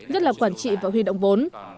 rất là quản trị và huy động vốn